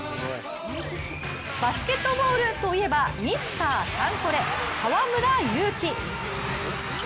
バスケットボールといえばミスターサンコレ河村勇輝。